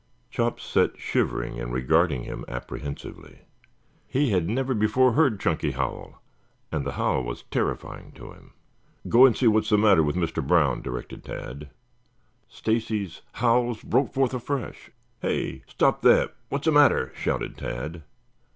Chops sat shivering and regarding him apprehensively. He had never before heard Chunky howl, and the howl was terrifying to him. "Go and see what is the matter with Mr. Brown," directed Tad. Stacy's howls broke forth afresh. "Hey! Stop that. What's the matter?" shouted Tad.